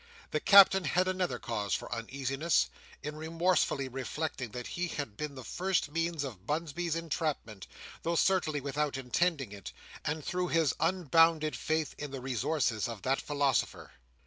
The Captain had another cause for uneasiness, in remorsefully reflecting that he had been the first means of Bunsby's entrapment, though certainly without intending it, and through his unbounded faith in the resources of that philosopher.